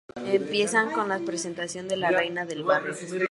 Empiezan con la presentación de las Reinas del Barrio.